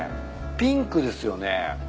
ピンクですよね。